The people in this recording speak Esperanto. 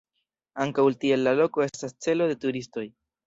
Ankaŭ tiel la loko estas celo de turistoj.